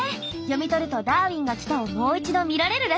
読み取ると「ダーウィンが来た！」をもう一度見られるらしいわよ。